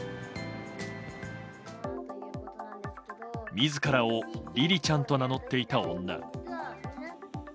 自らを、りりちゃんと名乗っていた女。